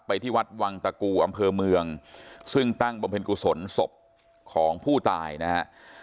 ที่วัดวังตะกูอำเภอเมืองซึ่งตั้งบำเพ็ญกุศลศพของผู้ตายนะฮะ